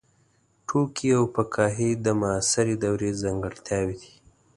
ټوکي او فکاهي د معاصرې دورې ځانګړتیاوې دي.